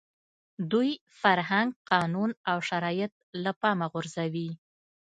دوی فرهنګ، قانون او شرایط له پامه غورځوي.